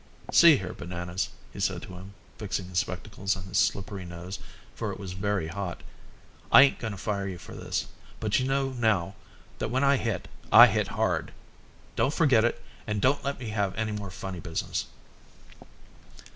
"See here, Bananas," he said to him, fixing his spectacles on his slippery nose, for it was very hot. "I ain't going to fire you for this, but you know now that when I hit, I hit hard. Don't forget it and don't let me have any more funny business."